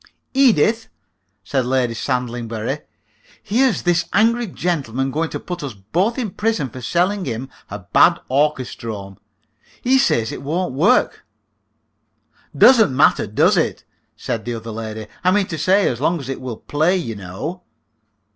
"Edith," said Lady Sandlingbury, "here's this angry gentleman going to put us both in prison for selling him a bad orchestrome. He says it won't work." "Doesn't matter, does it?" said the other lady. "I mean to say, as long as it will play, you know."